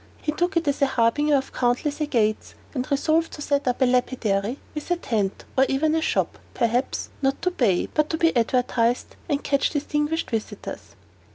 He took it as the harbinger of countless agates, and resolved to set up a lapidary, with a tent, or even a shop, perhaps not to pay, but to be advertised, and catch distinguished visitors.